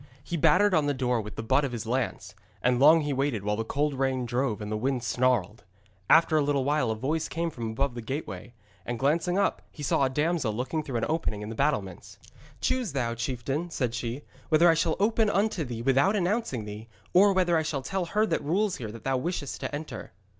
He battered on the door with the butt of his lance; and long he waited, while the cold rain drove and the wind snarled. After a little while a voice came from above the gateway, and glancing up he saw a damsel looking through an opening in the battlements. 'Choose thou, chieftain,' said she, 'whether I shall open unto thee without announcing thee, or whether I shall tell her that rules here that thou wishest to enter.'